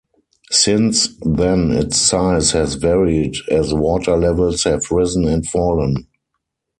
Since then its size has varied as water levels have risen and fallen.